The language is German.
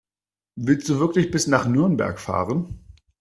Willst du wirklich bis nach Nürnberg fahren?